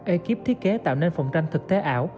ekip thiết kế tạo nên phòng tranh thực tế ảo